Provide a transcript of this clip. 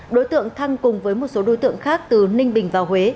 đối tượng thăng cùng với một số đối tượng khác từ ninh bình vào huế